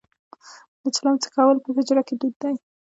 د چلم څکول په حجرو کې دود دی.